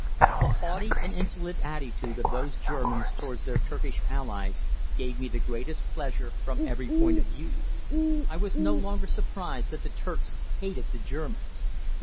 The haughty and insolent attitude of those Germans towards their Turkish allies gave me the greatest pleasure from every point of view. I was no longer surprised that the Turks hated the Germans.